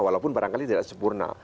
walaupun barangkali tidak sempurna